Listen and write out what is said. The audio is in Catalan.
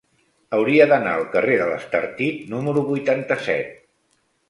Hauria d'anar al carrer de l'Estartit número vuitanta-set.